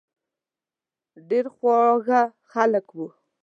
ډېر خواږه خلک وو.